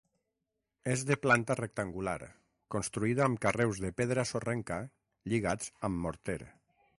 És de planta rectangular, construïda amb carreus de pedra sorrenca lligats amb morter.